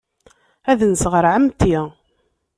Ad nseɣ ɣer ɛemmti.